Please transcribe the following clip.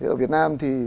ở việt nam thì